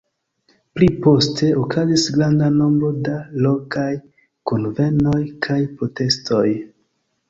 Pli poste, okazis granda nombro da lokaj kunvenoj kaj protestoj.